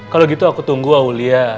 kalau gitu aku tunggu aulia